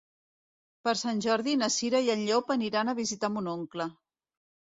Per Sant Jordi na Cira i en Llop aniran a visitar mon oncle.